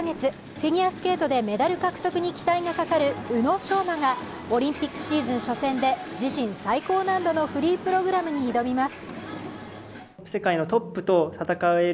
フィギュアスケートでメダル獲得に期待がかかる宇野昌磨がオリンピックシーズン初戦で自身最高難度のプログラムに挑みます。